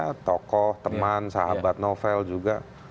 tengok kok teman sahabat novel juga